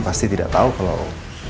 pasti tidak tau kalau